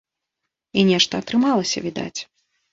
І нешта атрымалася, відаць.